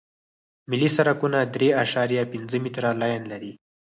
ملي سرکونه درې اعشاریه پنځه متره لاین لري